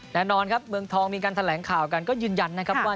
แน่นอนครับเมืองทองมีการแถลงข่าวกันก็ยืนยันนะครับว่า